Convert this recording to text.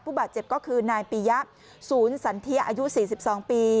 บาดเจ็บก็คือนายปียะศูนย์สันเทียอายุ๔๒ปี